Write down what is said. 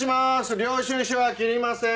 領収書は切りません。